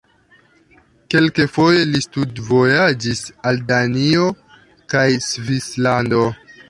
Kelkfoje li studvojaĝis al Danio kaj Svislando.